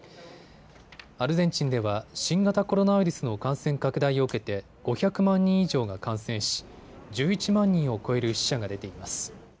アルゼンチンでは新型コロナウイルスの感染拡大を受けて５００万人以上が感染し１１万人を超える死者が出ています。